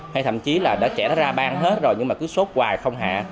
hay thậm chí là trẻ đã ra ban hết rồi nhưng mà cứ sốt hoài không hẹ